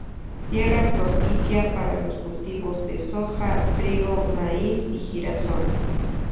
Tierra propicia para los cultivos de soja, trigo, maíz y girasol.